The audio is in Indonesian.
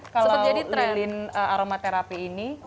kalau lilin aromaterapi ini